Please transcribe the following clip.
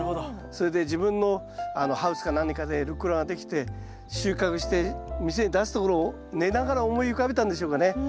それで自分のハウスか何かでルッコラができて収穫して店に出すところを寝ながら思い浮かべたんでしょうかね。